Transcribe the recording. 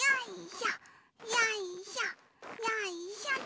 よいしょと。